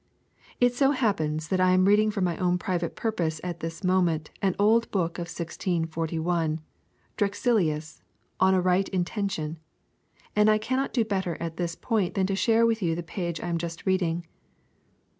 It so happens that I am reading for my own private purposes at this moment an old book of 1641, Drexilius On a Right Intention, and I cannot do better at this point than share with you the page I am just reading.